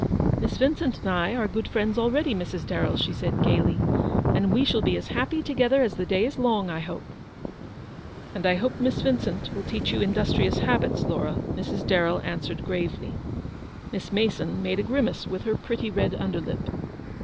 " Miss Vincent and I are good friends already, Mrs. Darrell," she said, gaily, "and we shall be as happy together as the day is long, I hope." " And I hope Miss Vincent will teach you in dustrious habits, Laura," Mrs. Darrell answered gravely. HAZLEW00D. 261 Miss Mason made a grimace with her pretty red under lip.